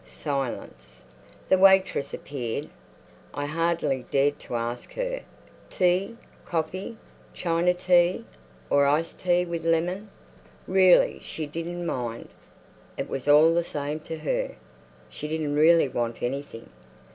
Silence. The waitress appeared. I hardly dared to ask her. "Tea—coffee? China tea—or iced tea with lemon?" Really she didn't mind. It was all the same to her. She didn't really want anything.